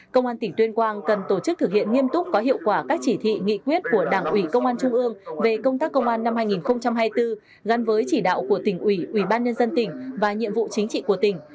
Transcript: công an tỉnh tuyên quang cần tổ chức thực hiện nghiêm túc có hiệu quả các chỉ thị nghị quyết của đảng ủy công an trung ương về công tác công an năm hai nghìn hai mươi bốn gắn với chỉ đạo của tỉnh ủy ủy ban nhân dân tỉnh và nhiệm vụ chính trị của tỉnh